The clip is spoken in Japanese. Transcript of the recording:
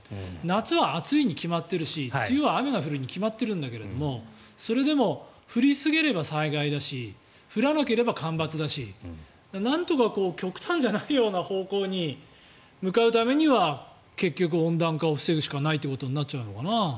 夏は暑いに決まっているし梅雨は雨が降るに決まっているんだけどそれでも降りすぎれば災害だし降らなければ干ばつだしなんとか極端じゃないような方向に向かうためには結局、温暖化を防ぐということしかないということになっちゃうのかな。